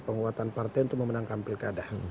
penguatan partai untuk memenangkan pilkada